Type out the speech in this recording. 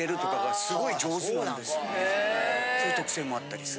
そういう特性もあったりする。